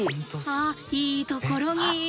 あっいいところに。